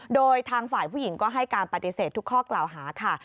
โดยทางฝ่ายผู้หญิงก็ให้การปฏิเสธทุกข้อกล่าวหาค่ะ